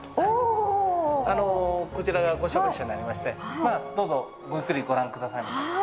こちらが御所別墅になりましてどうぞごゆっくりご覧くださいませ。